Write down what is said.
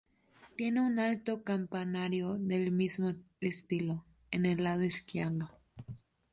Tiene un alto campanario del mismo estilo, en el lado izquierdo.